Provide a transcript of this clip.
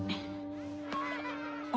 あ。